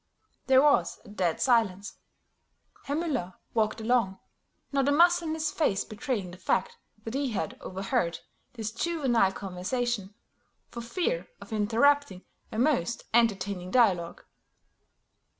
There was a dead silence. Herr Müller walked along, not a muscle in his face betraying the fact that he had overheard this juvenile conversation, for fear of interrupting a most entertaining dialogue.